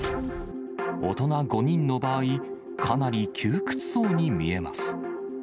大人５人の場合、かなり窮屈そうに見えます。